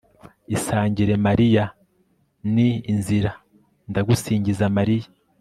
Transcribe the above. isangire mariya ni inzira, ndagusingiza mariya